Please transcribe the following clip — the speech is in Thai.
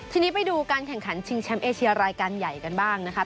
ทีนี้ไปดูการแข่งขันชิงแชมป์เอเชียรายการใหญ่กันบ้างนะคะ